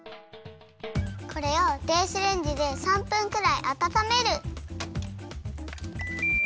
これを電子レンジで３分くらいあたためる。